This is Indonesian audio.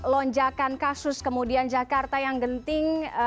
lonjakan kasus kemudian jakarta yang genting